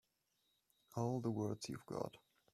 All the words you've got.